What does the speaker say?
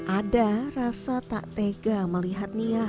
ada rasa tak tega melihat nia